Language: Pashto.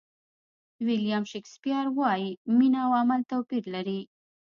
ویلیام شکسپیر وایي مینه او عمل توپیر لري.